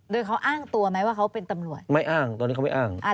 โดยเขาอ้างตัวไหมว่าเขาเป็นตำรวจไม่อ้างตอนนี้เขาไม่อ้างอ้าง